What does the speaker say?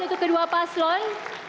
untuk kedua paslon